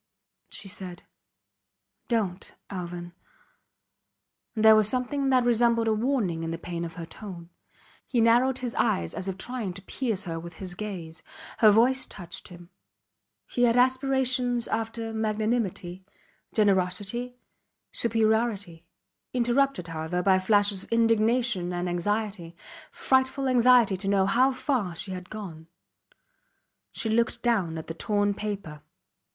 She said: Dont Alvan! and there was something that resembled a warning in the pain of her tone. He narrowed his eyes as if trying to pierce her with his gaze. Her voice touched him. He had aspirations after magnanimity, generosity, superiority interrupted, however, by flashes of indignation and anxiety frightful anxiety to know how far she had gone. She looked down at the torn paper.